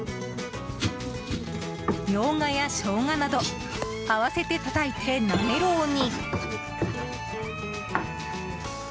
ミョウガやショウガなど合わせてたたいて、なめろうに。